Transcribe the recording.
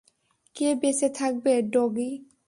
কে বেঁচে থাকবে, ডগি?